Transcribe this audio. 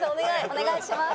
お願いします！